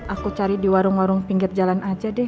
aku cari di warung warung pinggir jalan aja deh